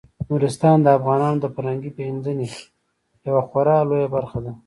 نورستان د افغانانو د فرهنګي پیژندنې یوه خورا لویه برخه ده.